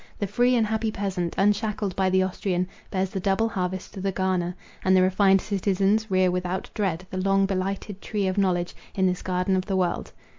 The free and happy peasant, unshackled by the Austrian, bears the double harvest to the garner; and the refined citizens rear without dread the long blighted tree of knowledge in this garden of the world.